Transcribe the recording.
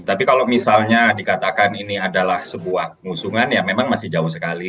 tapi kalau misalnya dikatakan ini adalah sebuah musungan ya memang masih jauh sekali